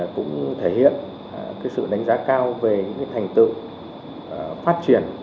cũng thể hiện sự đánh giá cao về những thành tựu phát triển